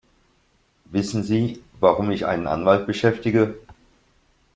Wissen Sie, warum ich einen Anwalt beschäftige?